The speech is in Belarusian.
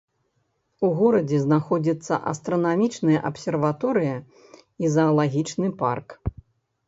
У горадзе знаходзіцца астранамічная абсерваторыя і заалагічны парк.